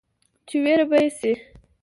چې وېر به يې شي ،